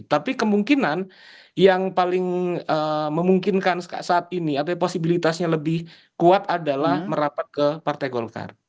tapi kemungkinan yang paling memungkinkan saat ini atau posibilitasnya lebih kuat adalah merapat ke partai golkar